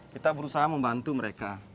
kita berusaha membantu mereka